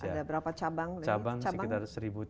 ada berapa cabang cabang sekitar